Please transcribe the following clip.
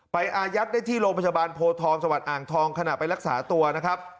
อายัดได้ที่โรงพยาบาลโพทองจังหวัดอ่างทองขณะไปรักษาตัวนะครับ